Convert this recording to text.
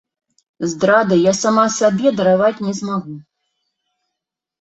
Здрады я сама сабе дараваць не змагу.